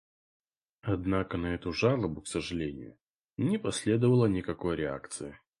Однако на эту жалобу, к сожалению, не последовало никакой реакции.